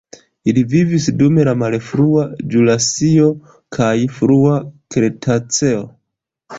Ili vivis dum la malfrua ĵurasio kaj frua kretaceo.